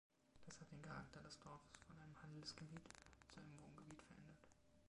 Das hat den Charakter des Dorfes von einem Handelsgebiet zu einem Wohngebiet verändert.